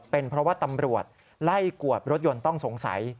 เป็นเพราะว่าตำรวจไล่กวดรถยนต์ต้องสงสัย